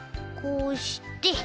こうして。